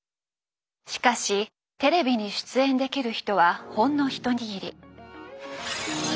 しかしテレビに出演できる人はほんの一握り。